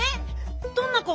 どんな子？